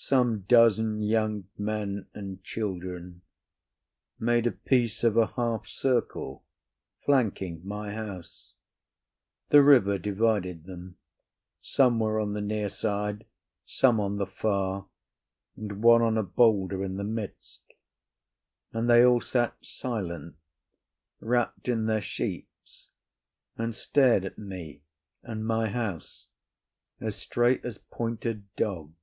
Some dozen young men and children made a piece of a half circle, flanking my house: the river divided them, some were on the near side, some on the far, and one on a boulder in the midst; and they all sat silent, wrapped in their sheets, and stared at me and my house as straight as pointer dogs.